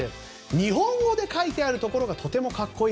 日本語で書いてあるところがとても格好いい！